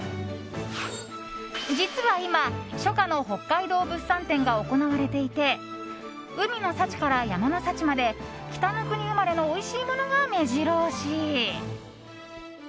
実は今、初夏の北海道物産展が行われていて海の幸から山の幸まで北の国生まれのおいしいものがめじろ押し。